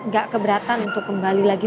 gak keberatan untuk kembali lagi